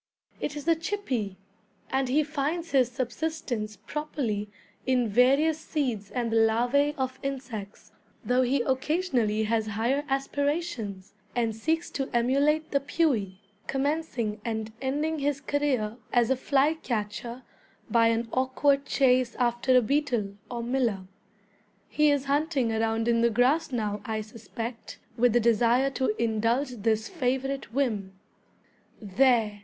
It is the chippy, and he finds his subsistence properly in various seeds and the larvæ of insects, though he occasionally has higher aspirations, and seeks to emulate the pewee, commencing and ending his career as a flycatcher by an awkward chase after a beetle or "miller." He is hunting around in the grass now, I suspect, with the desire to indulge this favorite whim. There!